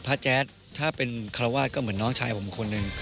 แจ๊ดถ้าเป็นคารวาสก็เหมือนน้องชายผมคนหนึ่ง